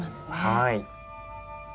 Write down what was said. はい。